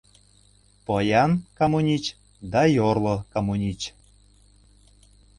— Поян камунич да йорло камунич.